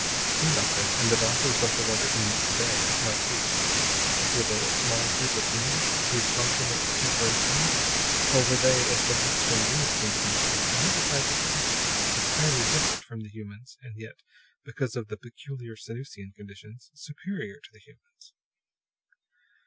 He nodded; and the doctor was left to wonder whom "They" might be. Were They a small group of humans, whose function was to superintend? Or were They, as the books from Venus seemed to indicate, another type of creature, entirely different from the humans, and yet, because of the peculiar Sanusian conditions, superior to the humans?